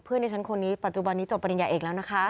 ดิฉันคนนี้ปัจจุบันนี้จบปริญญาเอกแล้วนะคะ